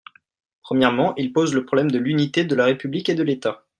Premièrement, il pose le problème de l’unité de la République et de l’État.